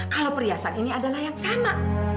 kalau perhiasan ini adalah yang sama